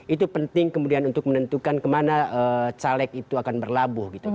itu penting kemudian untuk menentukan kemana caleg itu akan berlabuh gitu